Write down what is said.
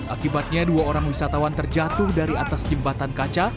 akibatnya dua orang wisatawan terjatuh dari atas jembatan kaca